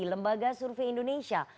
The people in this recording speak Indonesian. lembaga survei indonesia